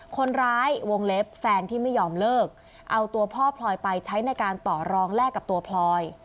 วงเล็บแฟนที่ไม่ยอมเลิกเอาตัวพ่อพลอยไปใช้ในการต่อรองแลกกับตัวพลอย